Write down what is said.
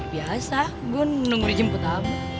biasa gue nunggu di jemput abu